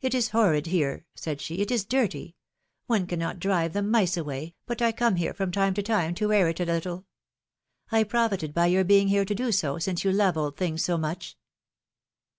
It is horrid here," said she, it is dirty ; one cannot drive the mice away, but I come here from time to time, to air it a little. I profited by your being here to do so, since you love old things so much."